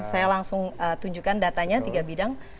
saya langsung tunjukkan datanya tiga bidang